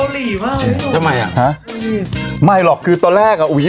เหมือนเกาหลีมากใช่ทำไมอ่ะฮะไม่หรอกคือตอนแรกอ่ะอุ้ย